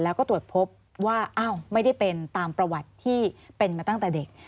แล้วก็ตรวจพบว่าอ้าวไม่ได้เป็นตามประวัติที่เป็นมาตั้งแต่เด็ก